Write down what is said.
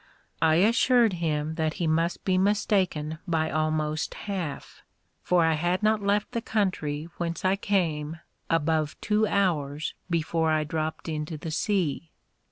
I assured him that he must be mistaken by almost half, for I had not left the country whence I came above two hours before I dropped into the sea.